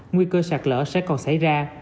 nguy cơ sạt lỡ sẽ còn xảy ra